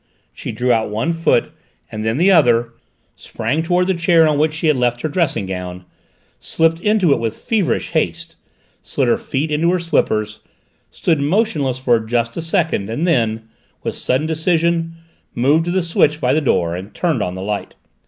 She drew out one foot, and then the other, sprang towards the chair on which she had left her dressing gown, slipped into it with feverish haste, slid her feet into her slippers, stood motionless for just a second and then, with sudden decision, moved to the switch by the door and turned on the light.